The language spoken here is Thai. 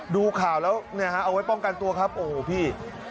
ดูข่าวแล้วเนี่ยฮะเอาไว้ป้องกันตัวครับโอ้โหพี่